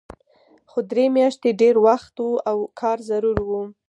خو درې میاشتې ډېر وخت و او کار ضرور و